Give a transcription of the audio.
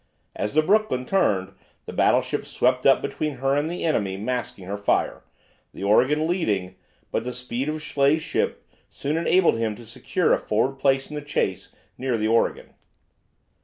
As the "Brooklyn" turned the battleships swept up between her and the enemy, masking her fire, the "Oregon" leading, but the speed of Schley's ship soon enabled him to secure a forward place in the chase near the "Oregon."